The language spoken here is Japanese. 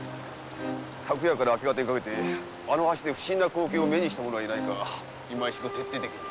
昨夜から明け方にかけてあの橋で不審な光景を見た者がいないかいま一度徹底的に。